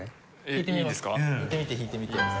弾いてみて弾いてみて。